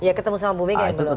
ya ketemu sama bu mega belum